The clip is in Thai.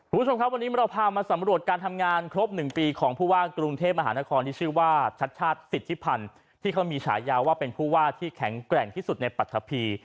คุณผู้ชมครับวันนี้เราพามาสำรวจการทำงานครบ๑ปีของผู้ว่ากรุงเทพมหานครที่ชื่อว่าชัดชาติสิทธิพันธ์ที่เขามีฉายาว่าเป็นผู้ว่าที่แข็งแกร่งที่สุดในปรัฐพี